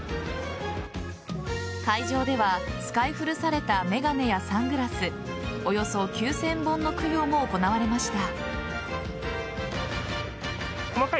会場では使い古された眼鏡やサングラスおよそ９０００本の供養も行われました。